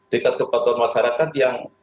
tiga kepatuan masyarakat yang